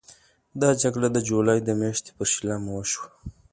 دا جګړه د جولای د میاشتې پر شلمه وشوه.